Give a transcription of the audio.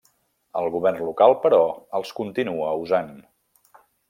El govern local, però, els continua usant.